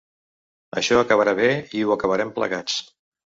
Això acabarà bé i ho acabarem plegats.